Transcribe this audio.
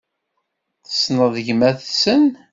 Tessneḍ gmat-nsen?